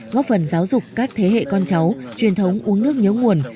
góp phần giáo dục các thế hệ con cháu truyền thống uống nước nhớ nguồn